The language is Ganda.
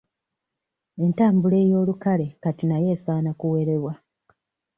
Entambula ey'olukale kati nayo esaana kuwerebwa.